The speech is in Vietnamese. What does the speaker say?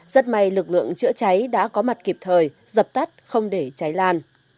rất may lực lượng chữa cháy đã có mặt kịp thời dập tắt không để cháy lan